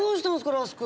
ラスク。